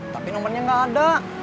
tapi nomernya nggak ada